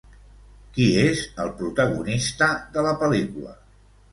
Qui és el protagonista de la pel·lícula?